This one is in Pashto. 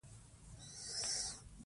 موږ بايد له پيسيزو وسايلو ښه ګټه واخلو.